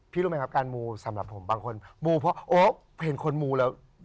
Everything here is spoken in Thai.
รู้ไหมครับการมูสำหรับผมบางคนมูเพราะโอ๊คเห็นคนมูแล้ว